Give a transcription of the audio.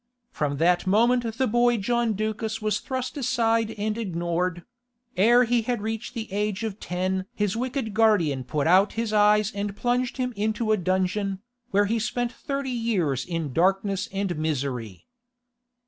From that moment the boy John Ducas was thrust aside and ignored: ere he had reached the age of ten his wicked guardian put out his eyes and plunged him into a dungeon, where he spent thirty years in darkness and misery.